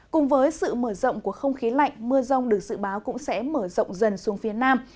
cùng với sự mở rộng của không khí lạnh mưa rông được dự báo cũng sẽ mở rộng dần xuống phía nam